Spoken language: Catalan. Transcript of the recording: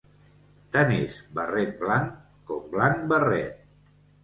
Tant és barret blanc com blanc barret.